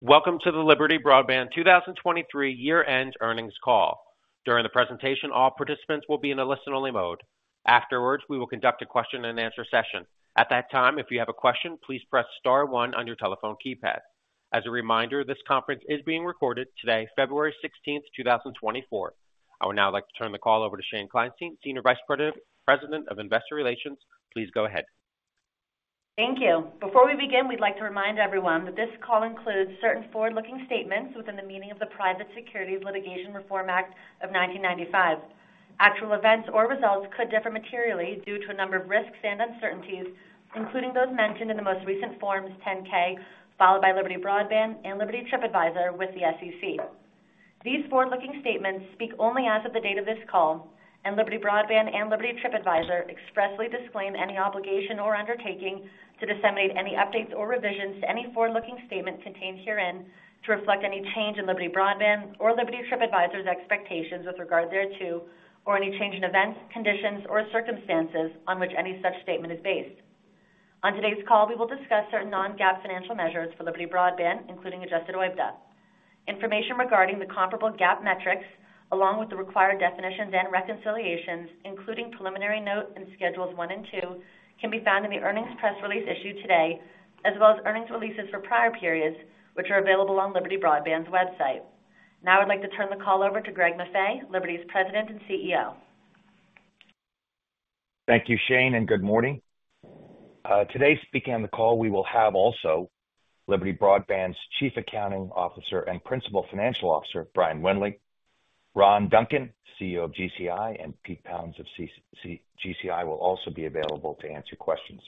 Welcome to the Liberty Broadband 2023 year-end earnings call. During the presentation, all participants will be in a listen-only mode. Afterwards, we will conduct a Q&A session. At that time, if you have a question, please press star 1 on your telephone keypad. As a reminder, this conference is being recorded today, February 16, 2024. I would now like to turn the call over to Shane Kleinstein, Senior Vice President of Investor Relations. Please go ahead. Thank you. Before we begin, we'd like to remind everyone that this call includes certain forward-looking statements within the meaning of the Private Securities Litigation Reform Act of 1995. Actual events or results could differ materially due to a number of risks and uncertainties, including those mentioned in the most recent Form 10-K filed by Liberty Broadband and Liberty TripAdvisor with the SEC. These forward-looking statements speak only as of the date of this call, and Liberty Broadband and Liberty TripAdvisor expressly disclaim any obligation or undertaking to disseminate any updates or revisions to any forward-looking statement contained herein to reflect any change in Liberty Broadband or Liberty TripAdvisor's expectations with regard thereto, or any change in events, conditions, or circumstances on which any such statement is based. On today's call, we will discuss certain non-GAAP financial measures for Liberty Broadband, including Adjusted OIBDA. Information regarding the comparable GAAP metrics, along with the required definitions and reconciliations, including preliminary note and schedules 1 and 2, can be found in the earnings press release issued today, as well as earnings releases for prior periods, which are available on Liberty Broadband's website. Now I'd like to turn the call over to Greg Maffei, Liberty's President and CEO. Thank you, Shane, and good morning. Today speaking on the call, we will have also Liberty Broadband's Chief Accounting Officer and Principal Financial Officer, Brian Wendling. Ron Duncan, CEO of GCI, and Pete Pounds of GCI will also be available to answer questions.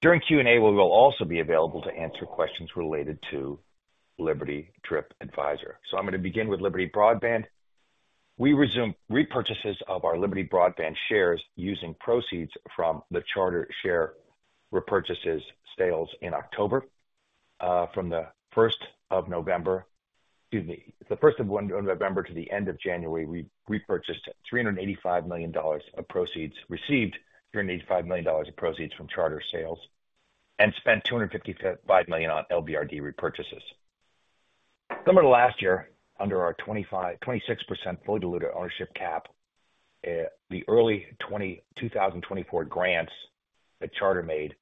During Q&A, we will also be available to answer questions related to Liberty TripAdvisor. So I'm going to begin with Liberty Broadband. We resume repurchases of our Liberty Broadband shares using proceeds from the charter share repurchases sales in October. From the 1st of November excuse me, the 1st of November to the end of January, we repurchased $385 million of proceeds received $385 million of proceeds from charter sales and spent $255 million on LBRD repurchases. Summer of last year, under our 26% fully diluted ownership cap, the early 2024 grants that Charter made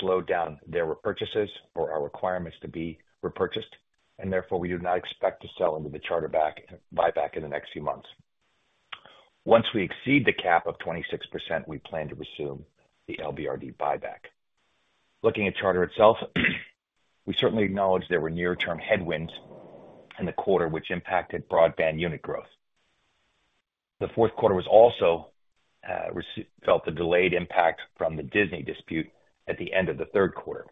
slowed down their repurchases or our requirements to be repurchased, and therefore we do not expect to sell into the Charter buyback in the next few months. Once we exceed the cap of 26%, we plan to resume the LBRD buyback. Looking at Charter itself, we certainly acknowledge there were near-term headwinds in the quarter, which impacted broadband unit growth. The fourth quarter was also felt the delayed impact from the Disney dispute at the end of the third quarter.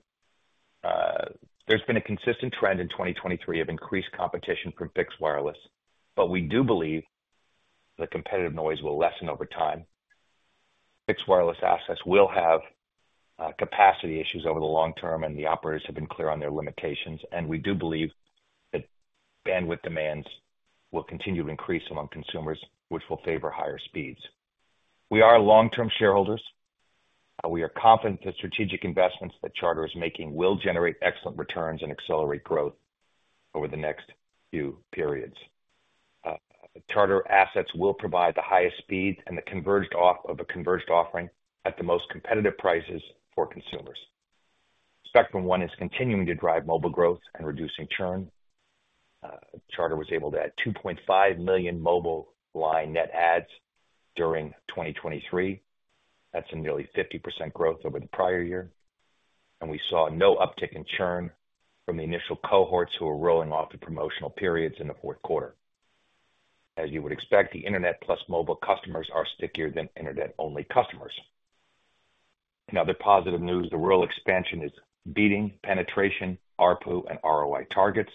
There's been a consistent trend in 2023 of increased competition from fixed wireless, but we do believe the competitive noise will lessen over time. Fixed wireless assets will have capacity issues over the long term, and the operators have been clear on their limitations, and we do believe that bandwidth demands will continue to increase among consumers, which will favor higher speeds. We are long-term shareholders. We are confident that strategic investments that Charter is making will generate excellent returns and accelerate growth over the next few periods. Charter assets will provide the highest speeds and the converged off of a converged offering at the most competitive prices for consumers. Spectrum One is continuing to drive mobile growth and reducing churn. Charter was able to add 2.5 million mobile line net adds during 2023. That's nearly 50% growth over the prior year. And we saw no uptick in churn from the initial cohorts who were rolling off the promotional periods in the fourth quarter. As you would expect, the internet plus mobile customers are stickier than internet-only customers. In other positive news, the rural expansion is beating penetration, RPU, and ROI targets.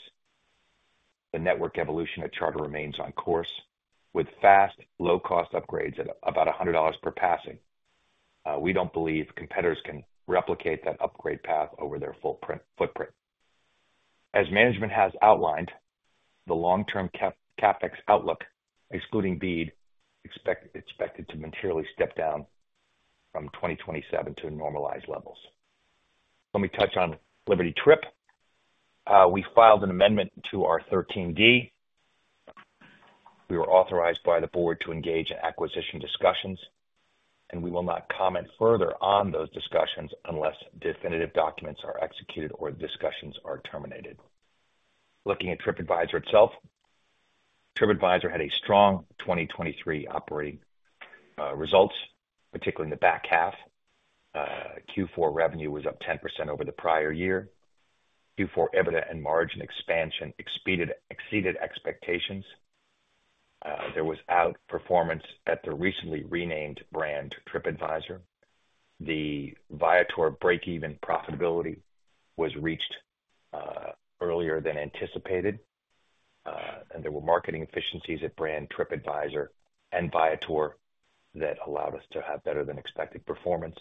The network evolution at Charter remains on course with fast, low-cost upgrades at about $100 per passing. We don't believe competitors can replicate that upgrade path over their footprint. As management has outlined, the long-term outlook, excluding BEAD, is expected to materially step down from 2027 to normalized levels. Let me touch on Liberty Trip. We filed an amendment to our 13D. We were authorized by the board to engage in acquisition discussions, and we will not comment further on those discussions unless definitive documents are executed or discussions are terminated. Looking at Tripadvisor itself, Tripadvisor had a strong 2023 operating results, particularly in the back half. Q4 revenue was up 10% over the prior year. Q4 EBITDA and margin expansion exceeded expectations. There was outperformance at the recently renamed brand TripAdvisor. The Viator break-even profitability was reached earlier than anticipated, and there were marketing efficiencies at brand TripAdvisor and Viator that allowed us to have better than expected performance,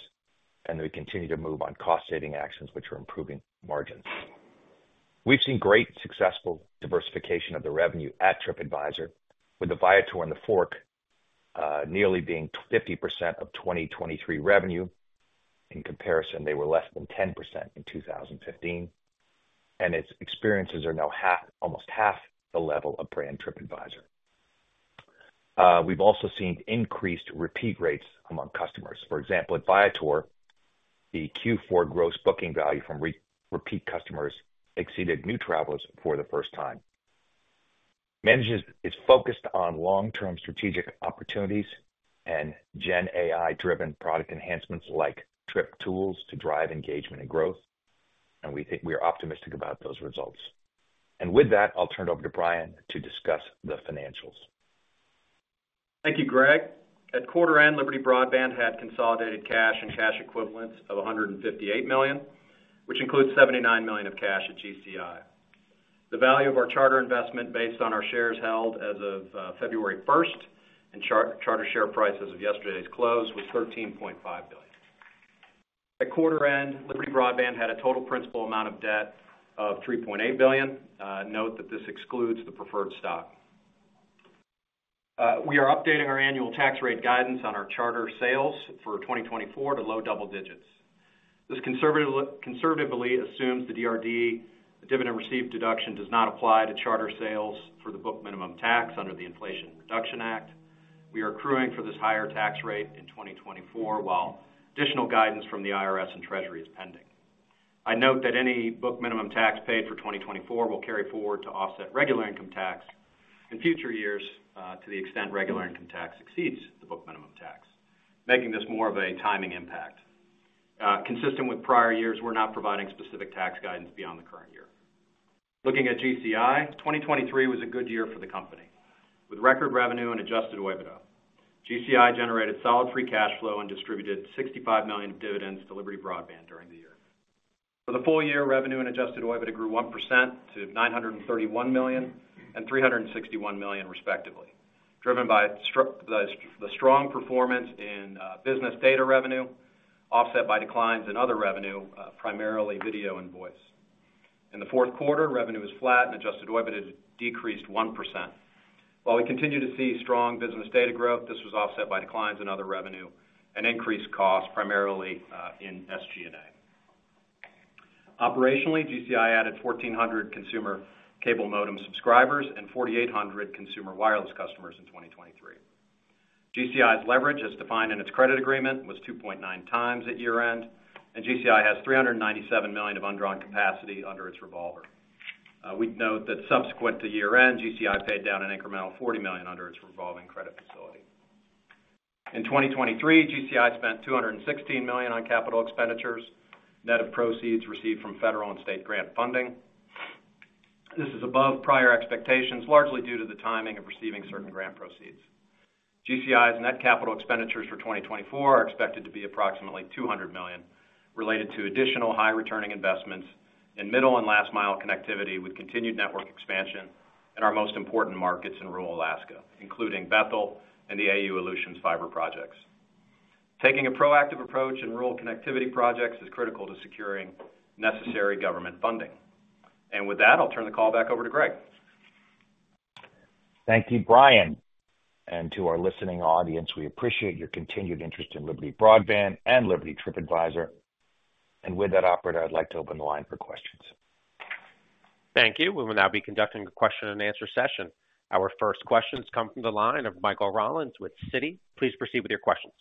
and we continue to move on cost-saving actions, which are improving margins. We've seen great, successful diversification of the revenue at TripAdvisor, with the Viator and TheFork nearly being 50% of 2023 revenue. In comparison, they were less than 10% in 2015, and its experiences are now almost half the level of brand TripAdvisor. We've also seen increased repeat rates among customers. For example, at Viator, the Q4 gross booking value from repeat customers exceeded new travelers for the first time. Management is focused on long-term strategic opportunities and Gen AI-driven product enhancements like Trip tools to drive engagement and growth, and we are optimistic about those results. With that, I'll turn it over to Brian to discuss the financials. Thank you, Greg. At quarter-end, Liberty Broadband had consolidated cash and cash equivalents of $158 million, which includes $79 million of cash at GCI. The value of our Charter investment based on our shares held as of February 1st and Charter share price as of yesterday's close was $13.5 billion. At quarter-end, Liberty Broadband had a total principal amount of debt of $3.8 billion. Note that this excludes the preferred stock. We are updating our annual tax rate guidance on our Charter sales for 2024 to low double digits. This conservatively assumes the DRD dividends received deduction does not apply to Charter sales for the book minimum tax under the Inflation Reduction Act. We are accruing for this higher tax rate in 2024, while additional guidance from the IRS and Treasury is pending. I note that any book minimum tax paid for 2024 will carry forward to offset regular income tax in future years to the extent regular income tax exceeds the book minimum tax, making this more of a timing impact. Consistent with prior years, we're not providing specific tax guidance beyond the current year. Looking at GCI, 2023 was a good year for the company with record revenue and adjusted OIBDA. GCI generated solid free cash flow and distributed $65 million of dividends to Liberty Broadband during the year. For the full year, revenue and adjusted OIBDA grew 1% to $931 million and $361 million, respectively, driven by the strong performance in business data revenue offset by declines in other revenue, primarily video and voice. In the fourth quarter, revenue is flat and adjusted OIBDA decreased 1%. While we continue to see strong business data growth, this was offset by declines in other revenue and increased costs, primarily in SG&A. Operationally, GCI added 1,400 consumer cable modem subscribers and 4,800 consumer wireless customers in 2023. GCI's leverage, as defined in its credit agreement, was 2.9 times at year-end, and GCI has $397 million of undrawn capacity under its revolver. We'd note that subsequent to year-end, GCI paid down an incremental $40 million under its revolving credit facility. In 2023, GCI spent $216 million on capital expenditures net of proceeds received from federal and state grant funding. This is above prior expectations, largely due to the timing of receiving certain grant proceeds. GCI's net capital expenditures for 2024 are expected to be approximately $200 million related to additional high-returning investments in middle and last-mile connectivity with continued network expansion in our most important markets in rural Alaska, including Bethel and the Aleutians fiber projects. Taking a proactive approach in rural connectivity projects is critical to securing necessary government funding. With that, I'll turn the call back over to Greg. Thank you, Brian. To our listening audience, we appreciate your continued interest in Liberty Broadband and Liberty TripAdvisor. With that, operator, I'd like to open the line for questions. Thank you. We will now be conducting a Q&A session. Our first questions come from the line of Michael Rollins with Citi. Please proceed with your questions.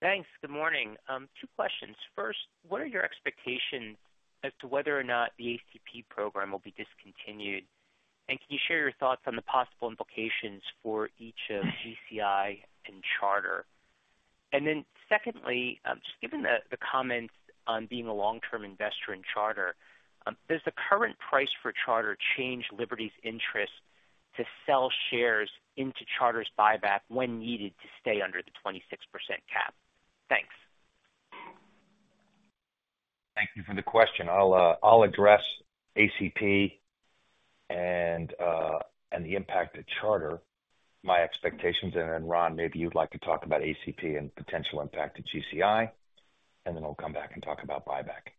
Thanks. Good morning. Two questions. First, what are your expectations as to whether or not the ACP program will be discontinued? And can you share your thoughts on the possible implications for each of GCI and Charter? And then secondly, just given the comments on being a long-term investor in Charter, does the current price for Charter change Liberty's interest to sell shares into Charter's buyback when needed to stay under the 26% cap? Thanks. Thank you for the question. I'll address ACP and the impact to Charter, my expectations, and then Ron, maybe you'd like to talk about ACP and potential impact to GCI, and then we'll come back and talk about buyback.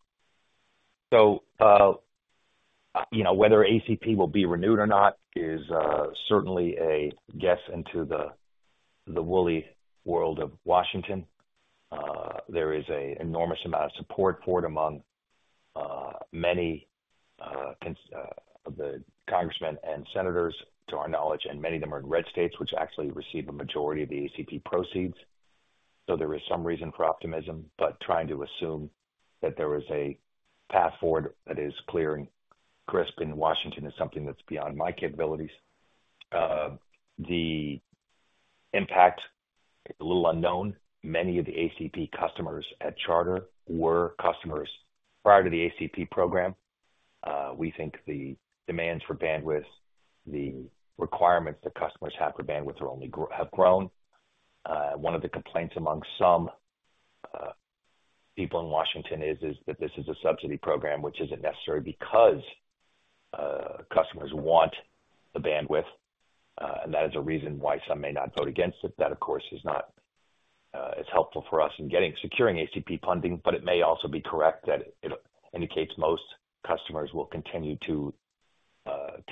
So whether ACP will be renewed or not is certainly a guess into the woolly world of Washington. There is an enormous amount of support for it among many of the congressmen and senators, to our knowledge, and many of them are in red states, which actually receive a majority of the ACP proceeds. So there is some reason for optimism, but trying to assume that there is a path forward that is clear and crisp in Washington is something that's beyond my capabilities. The impact is a little unknown. Many of the ACP customers at Charter were customers prior to the ACP program. We think the demands for bandwidth, the requirements that customers have for bandwidth have grown. One of the complaints among some people in Washington is that this is a subsidy program, which isn't necessary because customers want the bandwidth, and that is a reason why some may not vote against it. That, of course, is not as helpful for us in securing ACP funding, but it may also be correct that it indicates most customers will continue to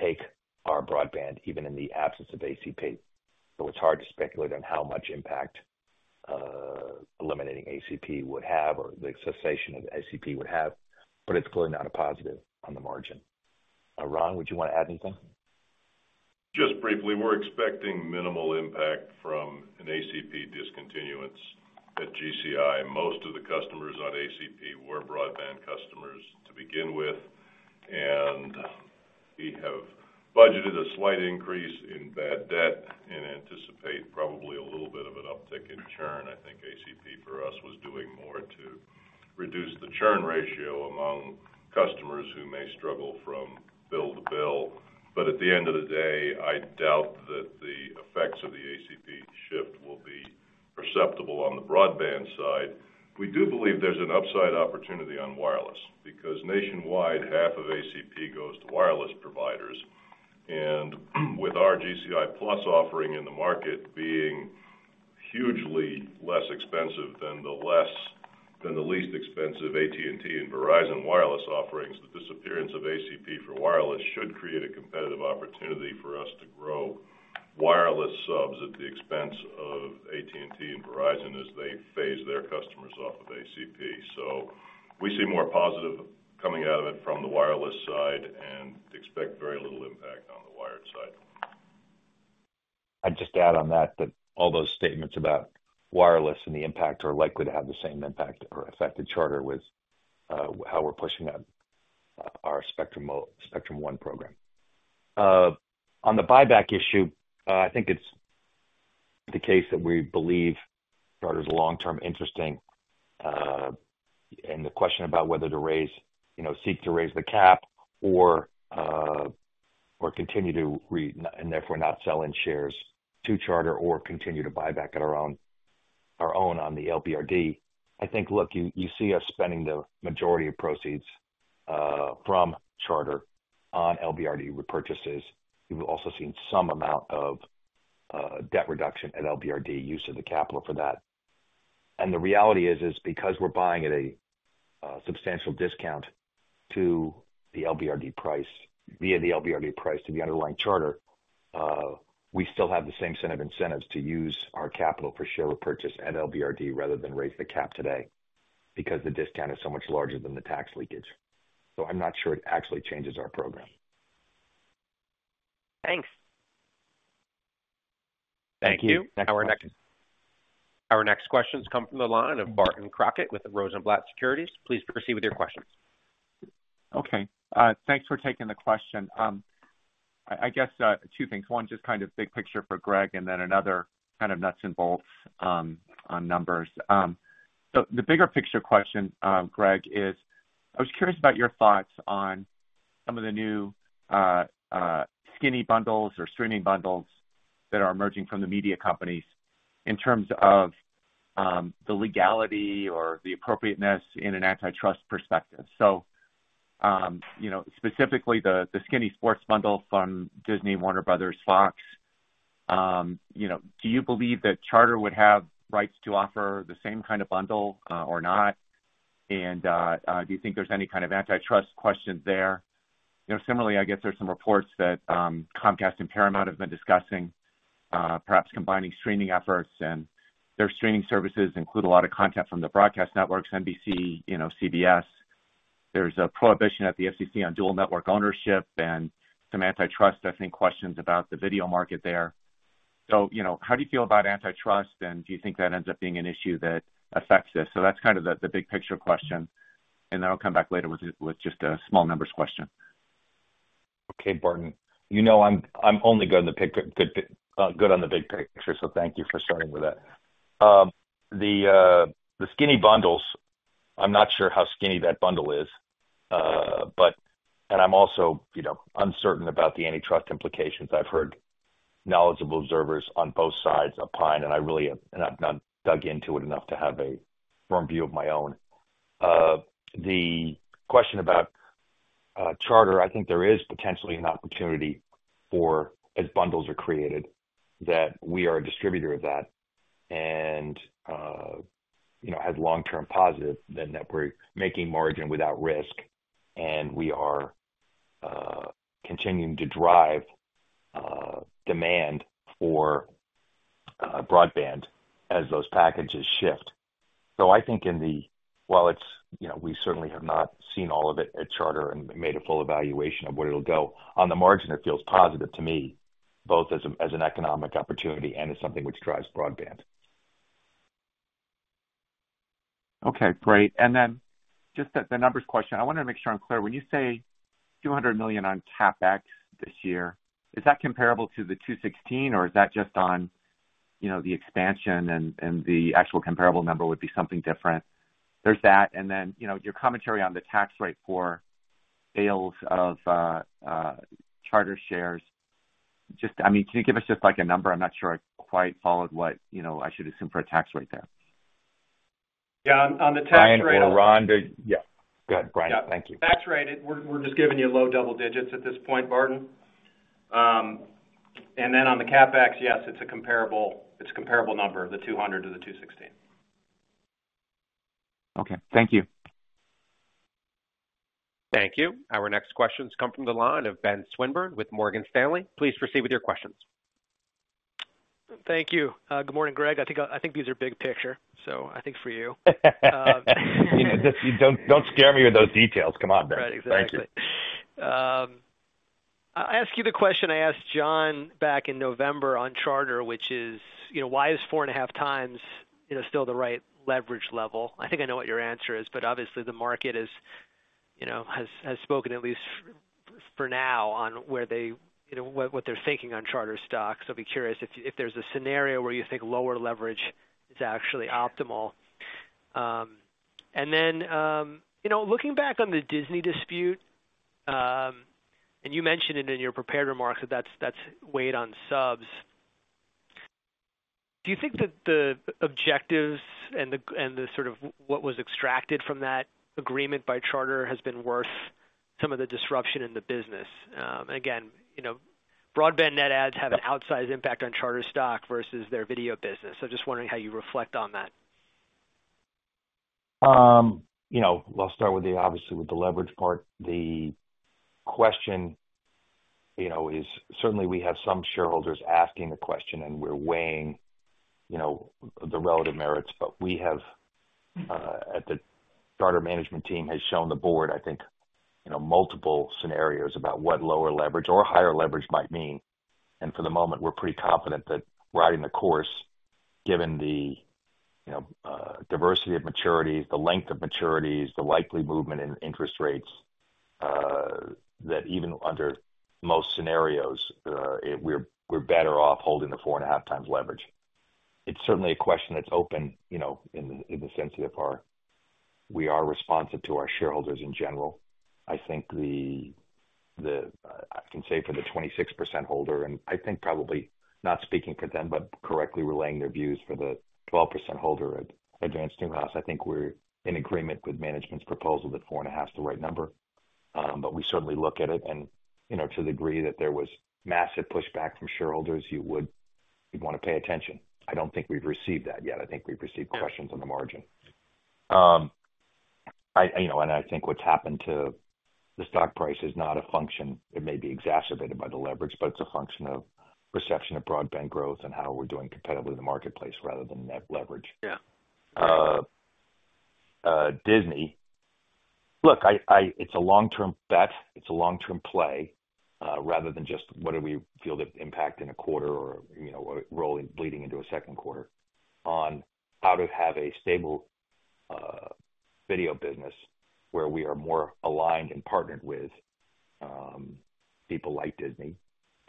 take our broadband even in the absence of ACP. So it's hard to speculate on how much impact eliminating ACP would have or the cessation of ACP would have, but it's clearly not a positive on the margin. Ron, would you want to add anything? Just briefly, we're expecting minimal impact from an ACP discontinuance at GCI. Most of the customers on ACP were broadband customers to begin with, and we have budgeted a slight increase in bad debt and anticipate probably a little bit of an uptick in churn. I think ACP for us was doing more to reduce the churn ratio among customers who may struggle from bill to bill. But at the end of the day, I doubt that the effects of the ACP shift will be perceptible on the broadband side. We do believe there's an upside opportunity on wireless because nationwide, half of ACP goes to wireless providers. With our GCI+ offering in the market being hugely less expensive than the least expensive AT&T and Verizon wireless offerings, the disappearance of ACP for wireless should create a competitive opportunity for us to grow wireless subs at the expense of AT&T and Verizon as they phase their customers off of ACP. We see more positive coming out of it from the wireless side and expect very little impact on the wired side. I'd just add on that all those statements about wireless and the impact are likely to have the same impact or affect Charter with how we're pushing our Spectrum One program. On the buyback issue, I think it's the case that we believe Charter is long-term interesting. And the question about whether to seek to raise the cap or continue to, and therefore, not sell in shares to Charter or continue to buy back at our own on the LBRD, I think, look, you see us spending the majority of proceeds from Charter on LBRD repurchases. We've also seen some amount of debt reduction at LBRD, use of the capital for that. The reality is, because we're buying at a substantial discount to the LBRD price, via the LBRD price to the underlying Charter, we still have the same set of incentives to use our capital for share repurchase at LBRD rather than raise the cap today because the discount is so much larger than the tax leakage. I'm not sure it actually changes our program. Thanks. Thank you. Thank you. Our next questions come from the line of Barton Crockett with Rosenblatt Securities. Please proceed with your questions. Okay. Thanks for taking the question. I guess two things. One, just kind of big picture for Greg, and then another kind of nuts and bolts on numbers. So the bigger picture question, Greg, is I was curious about your thoughts on some of the new skinny bundles or streaming bundles that are emerging from the media companies in terms of the legality or the appropriateness in an antitrust perspective. So specifically, the skinny sports bundle from Disney, Warner Bros., Fox, do you believe that Charter would have rights to offer the same kind of bundle or not? And do you think there's any kind of antitrust questions there? Similarly, I guess there's some reports that Comcast and Paramount have been discussing, perhaps combining streaming efforts. And their streaming services include a lot of content from the broadcast networks, NBC, CBS. There's a prohibition at the FCC on dual network ownership and some antitrust, I think, questions about the video market there. So how do you feel about antitrust, and do you think that ends up being an issue that affects this? So that's kind of the big picture question. And then I'll come back later with just a small numbers question. Okay, Barton. I'm only good on the big picture, so thank you for starting with that. The skinny bundles, I'm not sure how skinny that bundle is, and I'm also uncertain about the antitrust implications. I've heard knowledgeable observers on both sides opine, and I've not dug into it enough to have a firm view of my own. The question about Charter, I think there is potentially an opportunity for, as bundles are created, that we are a distributor of that and has long-term positive, that we're making margin without risk, and we are continuing to drive demand for broadband as those packages shift. So I think in the while we certainly have not seen all of it at Charter and made a full evaluation of where it'll go, on the margin, it feels positive to me, both as an economic opportunity and as something which drives broadband. Okay. Great. And then just the numbers question. I wanted to make sure I'm clear. When you say $200 million on CapEx this year, is that comparable to the 216, or is that just on the expansion, and the actual comparable number would be something different? There's that. And then your commentary on the tax rate for sales of Charter shares. I mean, can you give us just a number? I'm not sure I quite followed what I should assume for a tax rate there. Yeah. On the tax rate. Brian Wendling. Ron, to you. Yeah. Go ahead, Brian. Thank you. Yeah. Tax rate, we're just giving you low double digits at this point, Barton. And then on the CapEx, yes, it's a comparable number, the $200-$216. Okay. Thank you. Thank you. Our next questions come from the line of Ben Swinburne with Morgan Stanley. Please proceed with your questions. Thank you. Good morning, Greg. I think these are big picture, so I think for you. Don't scare me with those details. Come on, Ben. Thank you. Right. Exactly. I asked you the question I asked John back in November on Charter, which is, why is 4.5 times still the right leverage level? I think I know what your answer is, but obviously, the market has spoken, at least for now, on what they're thinking on Charter stocks. So I'd be curious if there's a scenario where you think lower leverage is actually optimal. And then looking back on the Disney dispute, and you mentioned it in your prepared remarks that that's weighed on subs, do you think that the objectives and sort of what was extracted from that agreement by Charter has been worth some of the disruption in the business? And again, broadband net ads have an outsized impact on Charter stock versus their video business. So just wondering how you reflect on that. I'll start with, obviously, with the leverage part. The question is certainly, we have some shareholders asking the question, and we're weighing the relative merits. But we have, at the Charter management team, shown the board, I think, multiple scenarios about what lower leverage or higher leverage might mean. For the moment, we're pretty confident that riding the course, given the diversity of maturities, the length of maturities, the likely movement in interest rates, that even under most scenarios, we're better off holding the 4.5x leverage. It's certainly a question that's open in the sense that we are responsive to our shareholders in general. I think I can say for the 26% holder, and I think probably not speaking for them, but correctly relaying their views for the 12% holder at Advance/Newhouse, I think we're in agreement with management's proposal that 4.5 is the right number. But we certainly look at it and to the degree that there was massive pushback from shareholders, you'd want to pay attention. I don't think we've received that yet. I think we've received questions on the margin. And I think what's happened to the stock price is not a function it may be exacerbated by the leverage, but it's a function of perception of broadband growth and how we're doing competitively in the marketplace rather than net leverage. Look, it's a long-term bet. It's a long-term play rather than just, "What do we feel the impact in a quarter or bleeding into a second quarter?" on how to have a stable video business where we are more aligned and partnered with people like Disney.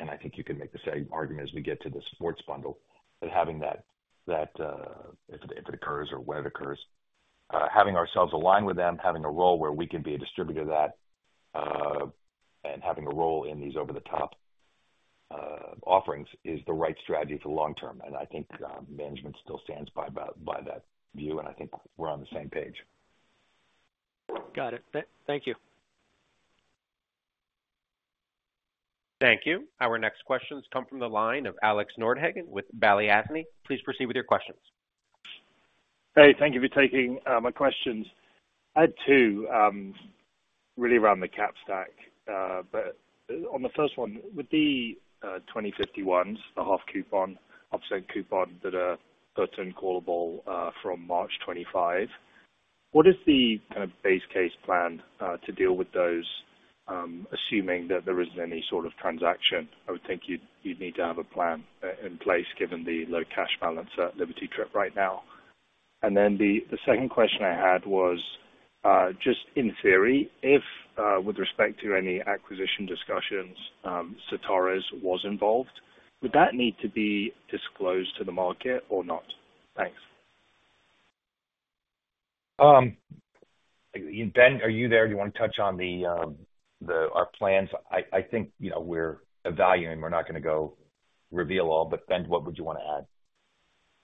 And I think you can make the same argument as we get to the sports bundle, that having that, if it occurs or when it occurs, having ourselves aligned with them, having a role where we can be a distributor of that, and having a role in these over-the-top offerings is the right strategy for the long term. And I think management still stands by that view, and I think we're on the same page. Got it. Thank you. Thank you. Our next questions come from the line of Alex Nordhagen with Balyasny. Please proceed with your questions. Hey. Thank you for taking my questions. I had two really around the cap stack. But on the first one, with the 2050 ones, the 5.5% coupon, offset coupon that are currently callable from March 2025, what is the kind of base case plan to deal with those, assuming that there isn't any sort of transaction? I would think you'd need to have a plan in place given the low cash balance at Liberty TripAdvisor right now. And then the second question I had was, just in theory, if with respect to any acquisition discussions, Charter's was involved, would that need to be disclosed to the market or not? Thanks. Ben, are you there? Do you want to touch on our plans? I think we're evaluating. We're not going to go reveal all. But Ben, what would you want to add?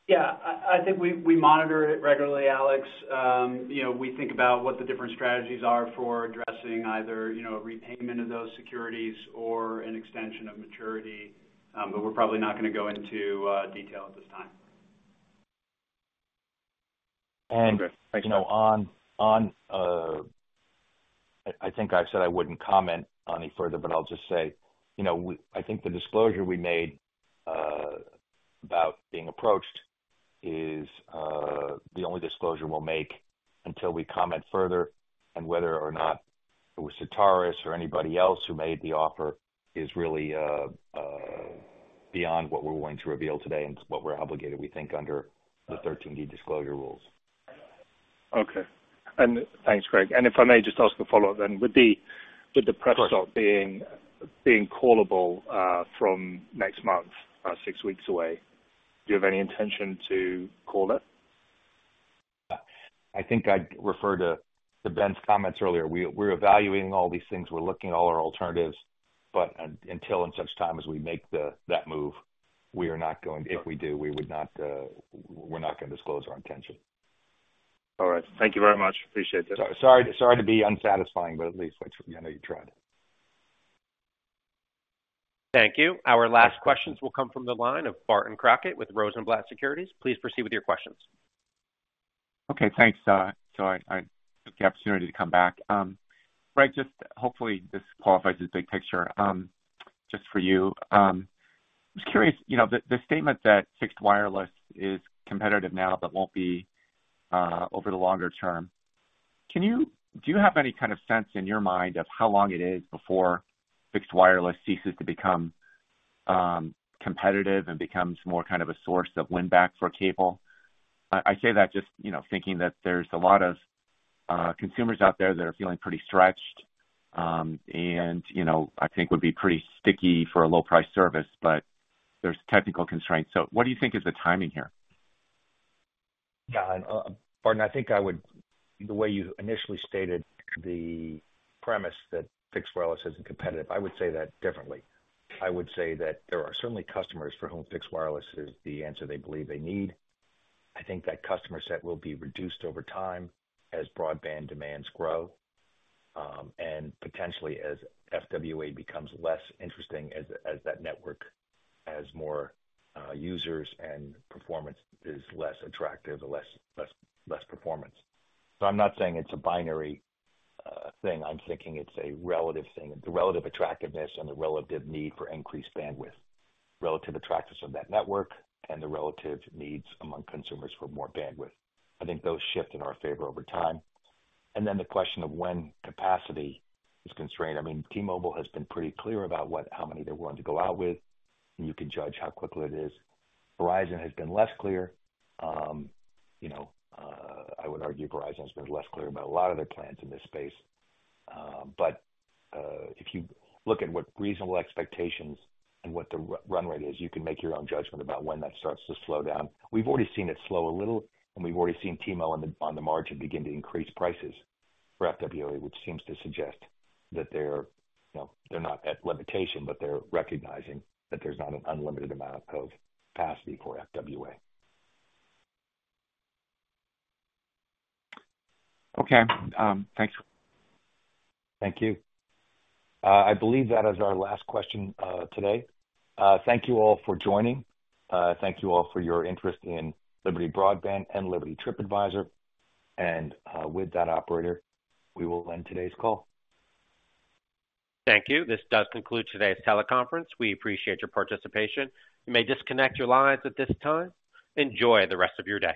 Yeah. I think we monitor it regularly, Alex. We think about what the different strategies are for addressing either a repayment of those securities or an extension of maturity. But we're probably not going to go into detail at this time. And on I think I've said I wouldn't comment on any further, but I'll just say I think the disclosure we made about being approached is the only disclosure we'll make until we comment further. And whether or not it was Certares or anybody else who made the offer is really beyond what we're willing to reveal today and what we're obligated, we think, under the 13D disclosure rules. Okay. Thanks, Greg. If I may just ask a follow-up then, with the preferred stock being callable from next month, 6 weeks away, do you have any intention to call it? I think I'd refer to Ben's comments earlier. We're evaluating all these things. We're looking at all our alternatives. But until and such time as we make that move, we are not going to, if we do, disclose our intention. All right. Thank you very much. Appreciate it. Sorry to be unsatisfying, but at least I know you tried. Thank you. Our last questions will come from the line of Barton Crockett with Rosenblatt Securities. Please proceed with your questions. Okay. Thanks. Sorry. I took the opportunity to come back. Greg, just hopefully, this qualifies as big picture just for you. I was curious. The statement that fixed wireless is competitive now, but won't be over the longer term, do you have any kind of sense in your mind of how long it is before fixed wireless ceases to become competitive and becomes more kind of a source of win-back for cable? I say that just thinking that there's a lot of consumers out there that are feeling pretty stretched and I think would be pretty sticky for a low-price service, but there's technical constraints. So what do you think is the timing here? Yeah. Barton, I think the way you initially stated the premise that fixed wireless isn't competitive, I would say that differently. I would say that there are certainly customers for whom fixed wireless is the answer they believe they need. I think that customer set will be reduced over time as broadband demands grow and potentially as FWA becomes less interesting as that network has more users and performance is less attractive, less performance. So I'm not saying it's a binary thing. I'm thinking it's a relative thing, the relative attractiveness and the relative need for increased bandwidth, relative attractiveness of that network, and the relative needs among consumers for more bandwidth. I think those shift in our favor over time. And then the question of when capacity is constrained. I mean, T-Mobile has been pretty clear about how many they're willing to go out with, and you can judge how quickly it is. Verizon has been less clear. I would argue Verizon has been less clear about a lot of their plans in this space. But if you look at what reasonable expectations and what the run rate is, you can make your own judgment about when that starts to slow down. We've already seen it slow a little, and we've already seen T-Mobile on the margin begin to increase prices for FWA, which seems to suggest that they're not at limitation, but they're recognizing that there's not an unlimited amount of capacity for FWA. Okay. Thanks. Thank you. I believe that is our last question today. Thank you all for joining. Thank you all for your interest in Liberty Broadband and Liberty TripAdvisor. With that, operator, we will end today's call. Thank you. This does conclude today's teleconference. We appreciate your participation. You may disconnect your lines at this time. Enjoy the rest of your day.